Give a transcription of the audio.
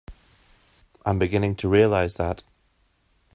I'm beginning to realize that.